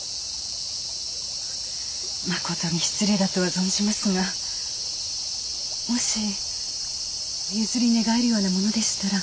まことに失礼だとは存じますがもしお譲り願えるような物でしたら。